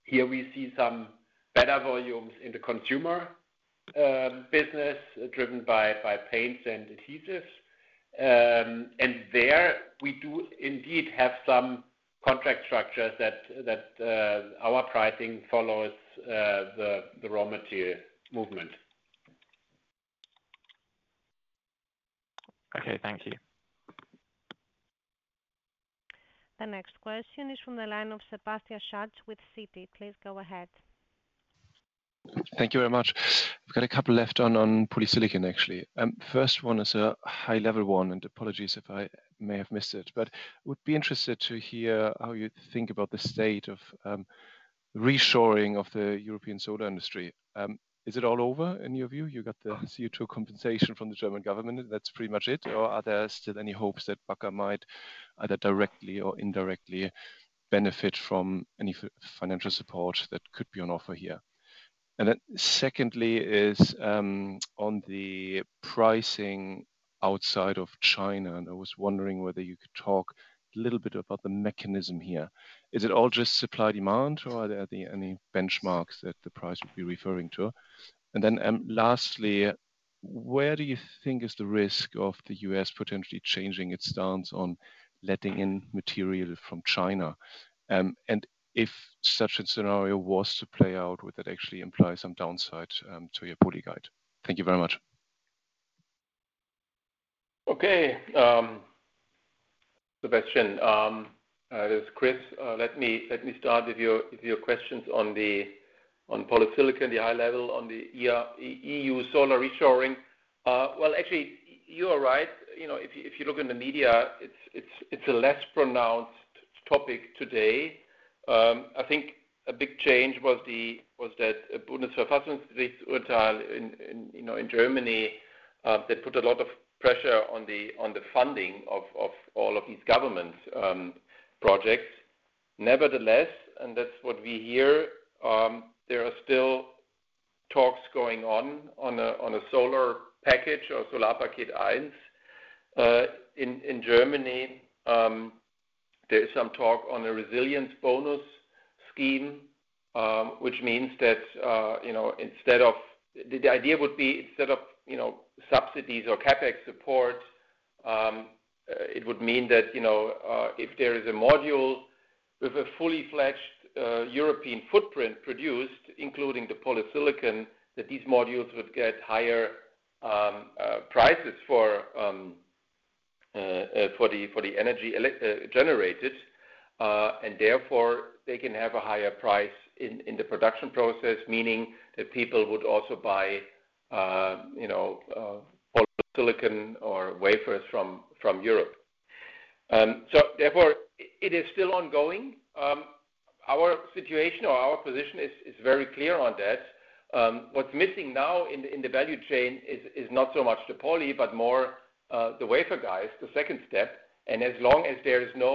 here, we see some better volumes in the consumer business driven by paints and adhesives. And there, we do indeed have some contract structures that our pricing follows the raw material movement. Okay. Thank you. The next question is from the line of Sebastian Satz with Citi. Please go ahead. Thank you very much. I've got a couple left on polysilicon, actually. First one is a high-level one, and apologies if I may have missed it. But I would be interested to hear how you think about the state of reshoring of the European solar industry. Is it all over in your view? You got the CO2 compensation from the German government. That's pretty much it. Or are there still any hopes that Wacker might either directly or indirectly benefit from any financial support that could be on offer here? And then secondly is on the pricing outside of China. And I was wondering whether you could talk a little bit about the mechanism here. Is it all just supply-demand, or are there any benchmarks that the price would be referring to? And then lastly, where do you think is the risk of the U.S. potentially changing its stance on letting in material from China? And if such a scenario was to play out, would that actually imply some downside to your poly guide? Thank you very much. Okay. Sebastian, this is Chris. Let me start with your questions on polysilicon, the high level, on the EU solar reshoring. Well, actually, you are right. If you look in the media, it's a less pronounced topic today. I think a big change was that Verwaltungsgericht Urteil in Germany that put a lot of pressure on the funding of all of these government projects. Nevertheless, and that's what we hear, there are still talks going on on a solar package or Solarpaket 1. In Germany, there is some talk on a resilience bonus scheme, which means that instead of the idea would be instead of subsidies or CapEx support, it would mean that if there is a module with a fully fledged European footprint produced, including the polysilicon, that these modules would get higher prices for the energy generated. And therefore, they can have a higher price in the production process, meaning that people would also buy polysilicon or wafers from Europe. So therefore, it is still ongoing. Our situation or our position is very clear on that. What’s missing now in the value chain is not so much the poly but more the wafer guys, the second step. As long as there is no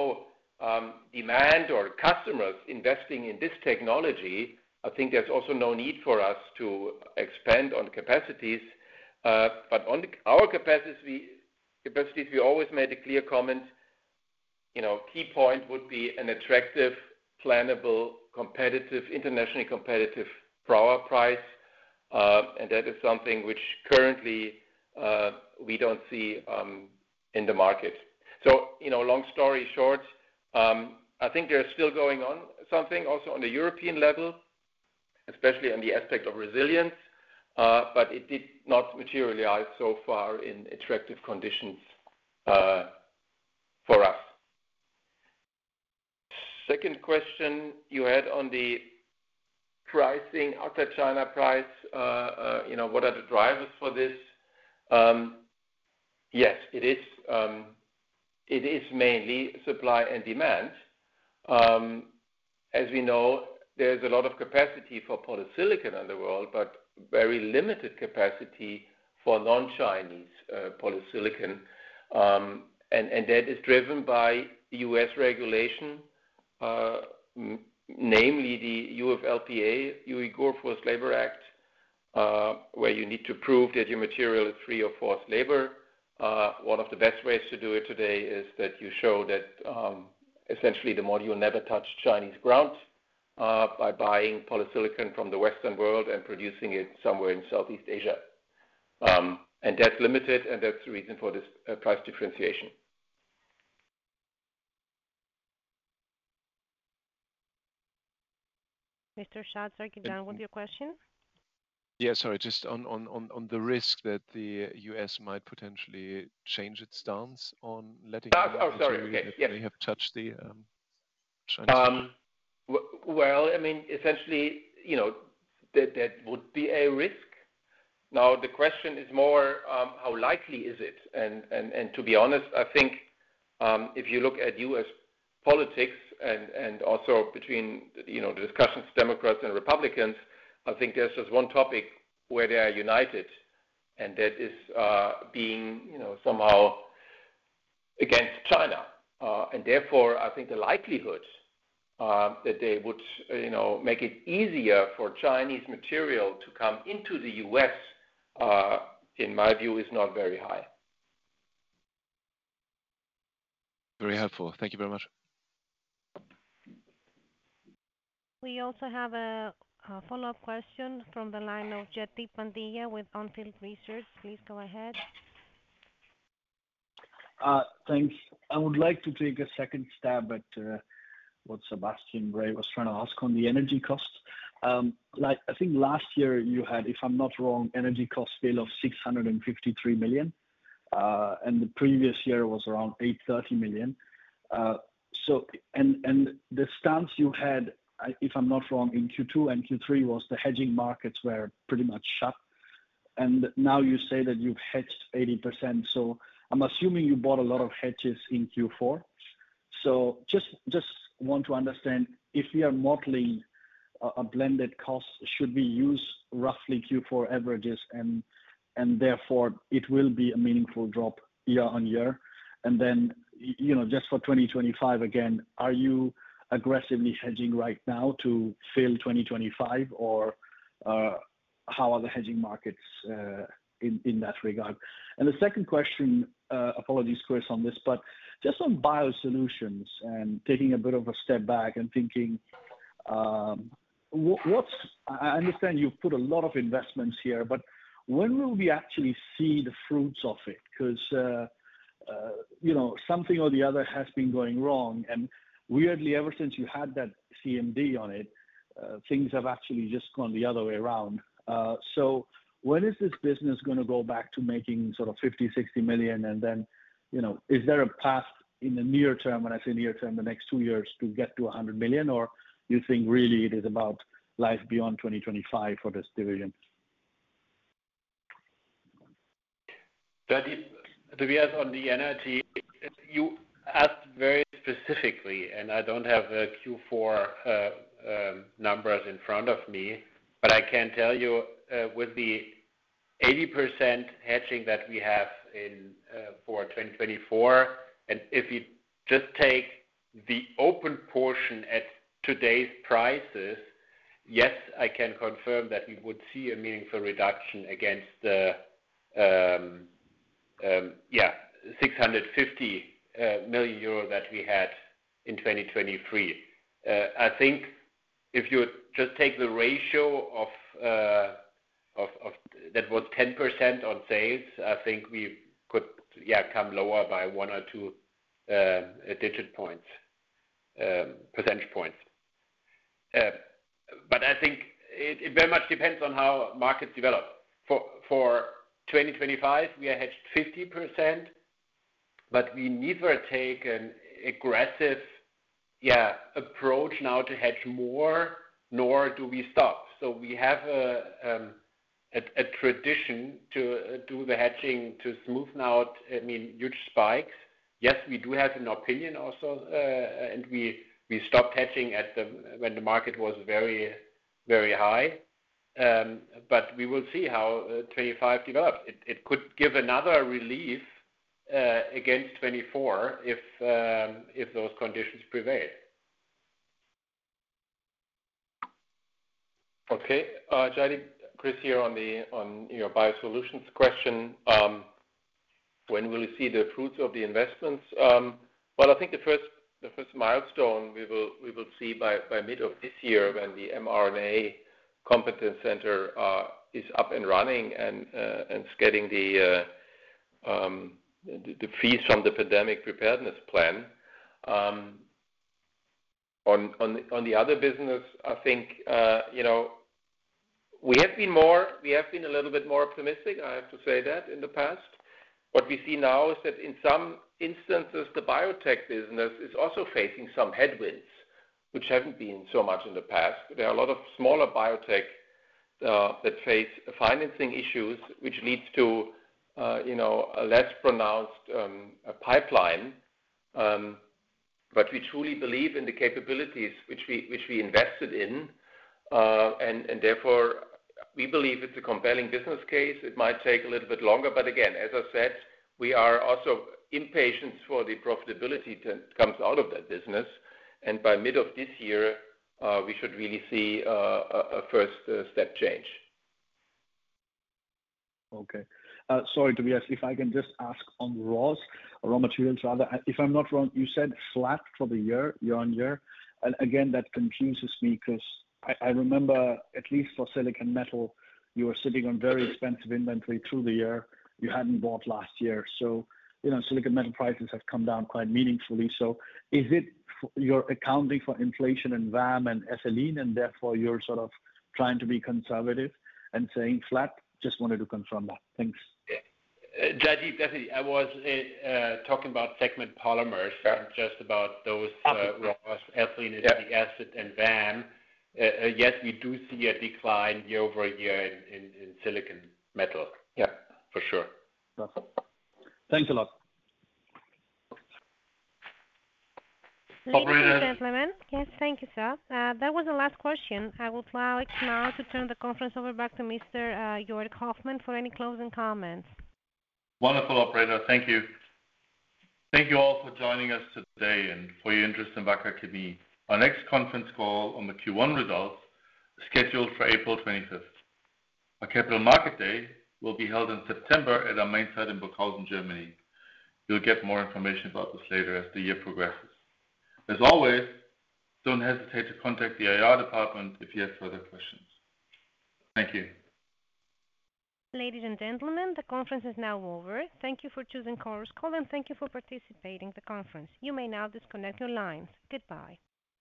demand or customers investing in this technology, I think there’s also no need for us to expand on capacities. On our capacities, we always made a clear comment. Key point would be an attractive, plannable, internationally competitive power price. That is something which currently, we don’t see in the market. Long story short, I think there’s still going on something also on the European level, especially on the aspect of resilience, but it did not materialize so far in attractive conditions for us. Second question you had on the pricing, outside-China price, what are the drivers for this? Yes, it is mainly supply and demand. As we know, there's a lot of capacity for polysilicon in the world but very limited capacity for non-Chinese polysilicon. And that is driven by U.S. regulation, namely the UFLPA, Uyghur Forced Labor Prevention Act, where you need to prove that your material is free of forced labor. One of the best ways to do it today is that you show that essentially, the module never touched Chinese ground by buying polysilicon from the Western world and producing it somewhere in Southeast Asia. And that's limited, and that's the reason for this price differentiation. Mr. Satz, are you done with your question? Yes. Sorry. Just on the risk that the U.S. might potentially change its stance on letting produced in China? Oh, sorry. Okay. Yeah. You have touched the Chinese ground. Well, I mean, essentially, that would be a risk. Now, the question is more how likely is it? To be honest, I think if you look at U.S. politics and also between the discussions, Democrats and Republicans, I think there's just one topic where they are united, and that is being somehow against China. And therefore, I think the likelihood that they would make it easier for Chinese material to come into the U.S., in my view, is not very high. Very helpful. Thank you very much. We also have a follow-up question from the line of Jaideep Pandya with On Field Investment Research. Please go ahead. Thanks. I would like to take a second stab at what Sebastian Bray was trying to ask on the energy cost. I think last year, you had, if I'm not wrong, an energy cost bill of 653 million. The previous year was around 830 million. The stance you had, if I'm not wrong, in Q2 and Q3 was the hedging markets were pretty much shut. And now you say that you've hedged 80%. So I'm assuming you bought a lot of hedges in Q4. So just want to understand, if we are modeling a blended cost, should we use roughly Q4 averages? And therefore, it will be a meaningful drop year-on-year. And then just for 2025, again, are you aggressively hedging right now to fill 2025, or how are the hedging markets in that regard? And the second question apologies, Chris, on this, but just on Biosolutions and taking a bit of a step back and thinking, I understand you've put a lot of investments here, but when will we actually see the fruits of it? Because something or the other has been going wrong. And weirdly, ever since you had that CMD on it, things have actually just gone the other way around. So when is this business going to go back to making sort of 50 million-60 million? And then is there a path in the near term—when I say near term, the next two years—to get to 100 million? Or you think, really, it is about life beyond 2025 for this division? Tobias, on the energy, you asked very specifically, and I don't have Q4 numbers in front of me. But I can tell you, with the 80% hedging that we have for 2024, and if you just take the open portion at today's prices, yes, I can confirm that we would see a meaningful reduction against the, yeah, 650 million euro that we had in 2023. I think if you just take the ratio that was 10% on sales, I think we could, yeah, come lower by one or two digit percentage points. But I think it very much depends on how markets develop. For 2025, we are hedged 50%, but we neither take an aggressive, yeah, approach now to hedge more, nor do we stop. So we have a tradition to do the hedging to smooth out, I mean, huge spikes. Yes, we do have an opinion also, and we stopped hedging when the market was very, very high. But we will see how 2025 develops. It could give another relief against 2024 if those conditions prevail. Okay. Jaideep, Chris here on your Biosolutions question. When will we see the fruits of the investments? Well, I think the first milestone we will see by mid of this year when the mRNA Competence Center is up and running and getting the fees from the Pandemic Preparedness Plan. On the other business, I think we have been a little bit more optimistic, I have to say that, in the past. What we see now is that in some instances, the biotech business is also facing some headwinds, which haven't been so much in the past. There are a lot of smaller biotech that face financing issues, which leads to a less pronounced pipeline. But we truly believe in the capabilities which we invested in. And therefore, we believe it's a compelling business case. It might take a little bit longer. But again, as I said, we are also impatient for the profitability that comes out of that business. By mid of this year, we should really see a first-step change. Okay. Sorry, Tobias, if I can just ask on raw materials rather. If I'm not wrong, you said flat for the year, year-over-year. And again, that confuses me because I remember, at least for silicon metal, you were sitting on very expensive inventory through the year. You hadn't bought last year. So silicon metal prices have come down quite meaningfully. So is it you're accounting for inflation and VAM and ethylene, and therefore, you're sort of trying to be conservative and saying flat? Just wanted to confirm that. Thanks. Jaideep, definitely. I was talking about segment Polymers, just about those raws, ethylene, acetic acid, and VAM. Yes, we do see a decline year-over-year in silicon metal, for sure. Thanks a lot. Operator. Thank you, sir, please. Yes, thank you, sir. That was the last question. I will allow Alex now to turn the conference over back to Mr. Joerg Hoffmann for any closing comments. Wonderful, operator. Thank you. Thank you all for joining us today and for your interest in Wacker Chemie. Our next conference call on the Q1 results is scheduled for April 25th. Our Capital Market Day will be held in September at our main site in Burghausen, Germany. You'll get more information about this later as the year progresses. As always, don't hesitate to contact the IR department if you have further questions. Thank you. Ladies and gentlemen, the conference is now over. Thank you for choosing Chorus Call, and thank you for participating in the conference. You may now disconnect your lines. Goodbye.